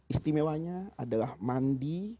istimewanya adalah mandi